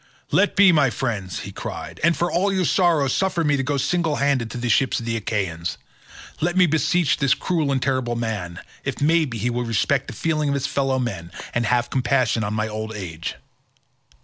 "Let be, my friends," he cried, "and for all your sorrow, suffer me to go single handed to the ships of the Achaeans. Let me beseech this cruel and terrible man, if maybe he will respect the feeling of his fellow men, and have compassion on my old age.